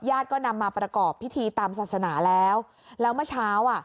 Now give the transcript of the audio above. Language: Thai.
ก็นำมาประกอบพิธีตามศาสนาแล้วแล้วเมื่อเช้าอ่ะ